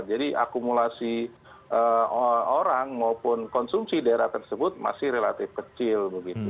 jadi akumulasi orang maupun konsumsi daerah tersebut masih relatif kecil